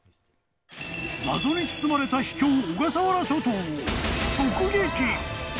謎に包まれた秘境小笠原諸島を直撃！